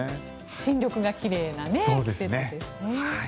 新緑が奇麗な季節ですね。